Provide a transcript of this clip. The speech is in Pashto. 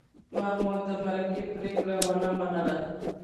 محمود د مرکې پرېکړه ونه منله.